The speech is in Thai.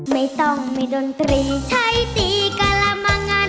ไม่ต้องมีดนตรีใช้ตีกะละมังัน